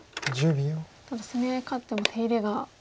ただ攻め合い勝っても手入れが。